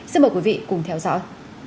xin mời quý vị cùng theo dõi